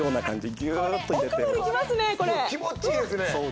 気持ちいいですね。